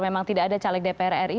memang tidak ada caleg dpr ri